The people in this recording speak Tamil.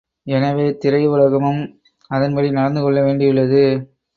எனவே, திரை உலகமும் அதன்படி நடந்துகொள்ள வேண்டியுள்ளது.